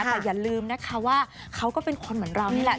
แต่อย่าลืมนะคะว่าเขาก็เป็นคนเหมือนเรานี่แหละ